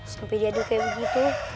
sampai jadi kayak begitu